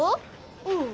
うん。